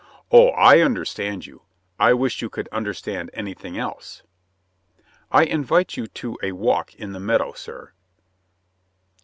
"Oh, I understand you. I wish you could under stand anything else." "I invite you to a walk in the meadow, sir."